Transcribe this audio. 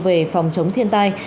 về phòng chống thiên tai